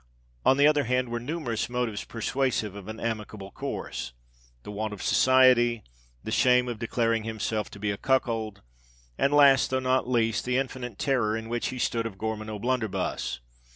On the other hand were numerous motives persuasive of an amicable course,—the want of society, the shame of declaring himself to be a cuckold—and last, though not least, the infinite terror in which he stood of Gorman O'Blunderbuss.